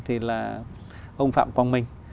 thì là ông phạm quang minh